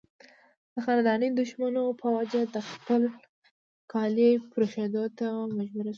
د خانداني دشمنو پۀ وجه د خپل کلي پريښودو ته مجبوره شو